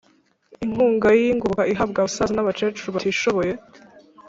inkunga y ingoboka ihabwa abasaza nabakecuru batishoboye